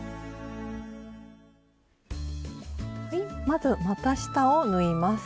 まずまた下を縫います。